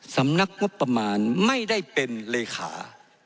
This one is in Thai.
สำนักงบประมาณไม่ได้เป็นเลขา